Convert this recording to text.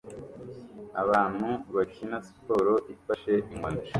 Abantu bakina siporo ifashe inkoni